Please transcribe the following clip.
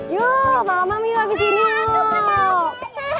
yuk mama mami yuk habis ini yuk